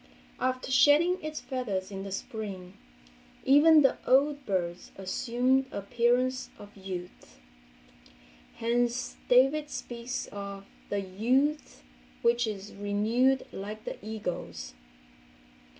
After shedding its feathers in the spring, even the old birds assume the appearance of youth, hence David speaks of the "youth which is renewed like the eagle's."